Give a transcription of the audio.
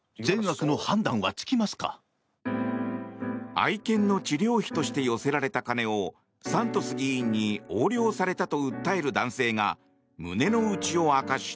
愛犬の治療費として寄せられた金をサントス議員に横領されたと訴える男性が胸の内を明かした。